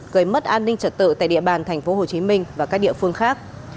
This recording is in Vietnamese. gây mất an ninh trật tự tại địa bàn tp hcm và các địa phương khác